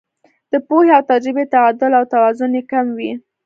د پوهې او تجربې تعدل او توازن یې کم وي.